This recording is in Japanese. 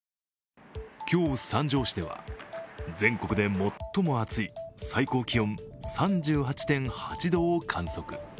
今日、三条市では全国で最も暑い最高気温３８．８度を観測。